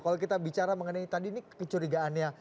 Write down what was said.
kalau kita bicara mengenai tadi ini kecurigaannya